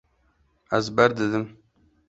Ez berdidim.